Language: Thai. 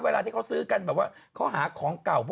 เวลาที่เขาซื้อกันเขาหาของเก่า